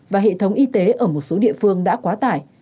và hệ thống y tế ở một số địa phương đã quá tải